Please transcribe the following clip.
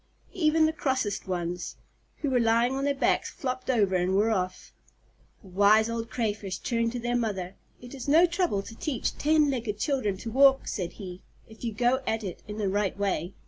Even the crossest ones, who were lying on their backs flopped over and were off. The Wise Old Crayfish turned to their mother. "It is no trouble to teach ten legged children to walk," said he, "if you go at it in the right way."